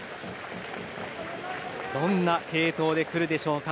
どんな継投で来るでしょうか